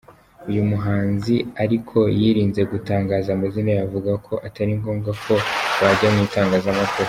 Uyu muhanzi ariko yirinze gutangaza amazina ye avuga ko ataringombwa ko byajya mu itangazamkuru.